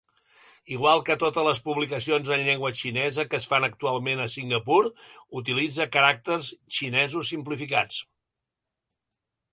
Igual que totes les publicacions en llengua xinesa que es fan actualment a Singapur, utilitza caràcters xinesos simplificats.